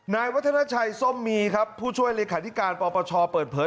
นายวัฒนาชัยส้มมีครับผู้ช่วยเลขาธิการปปชเปิดเผย